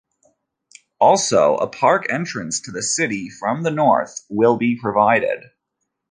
Also, a park entrance to the city from the north will be provided.